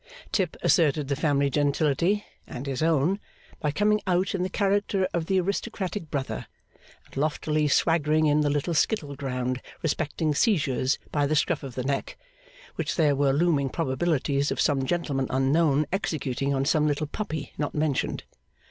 Tip asserted the family gentility, and his own, by coming out in the character of the aristocratic brother, and loftily swaggering in the little skittle ground respecting seizures by the scruff of the neck, which there were looming probabilities of some gentleman unknown executing on some little puppy not mentioned.